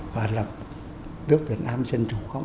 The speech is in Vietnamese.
và là nước việt nam dân chủ không